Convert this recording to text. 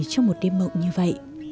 trong một đêm mộng như vậy